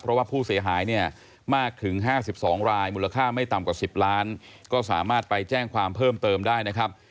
เพราะว่าผู้เสียหายเนี่ยมากถึง๕๒รายมูลค่าไม่ต่ำกว่า๑๐ล้านก็สามารถไปแจ้งความเพิ่มเติมได้นะครับ